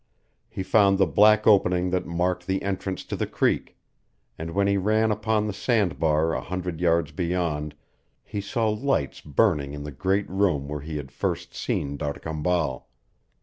He found the black opening that marked the entrance to the creek, and when he ran upon the sand bar a hundred yards beyond he saw lights burning in the great room where he had first seen D'Arcambal.